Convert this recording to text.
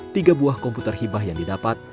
tiga buah komputer hibah yang didapat